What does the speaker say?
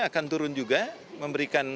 akan turun juga memberikan